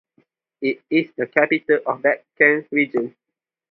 It is the capital of Batken Region.